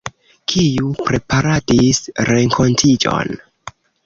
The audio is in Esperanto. Kiu preparadis renkontiĝon?